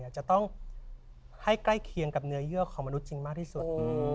จะต้องให้ใกล้เคียงกับเนื้อเยื่อของมนุษย์จริงมากที่สุด